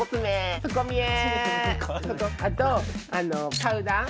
あとパウダー。